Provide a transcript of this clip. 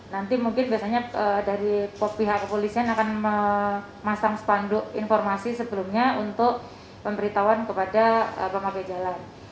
nanti mungkin biasanya dari pihak kepolisian akan memasang spanduk informasi sebelumnya untuk pemberitahuan kepada pemakai jalan